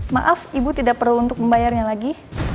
maaf ibu tidak perlu untuk membayarnya lagi